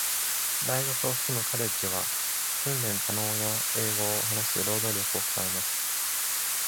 大学を含むカレッジは、訓練可能な英語を話す労働力を加えます。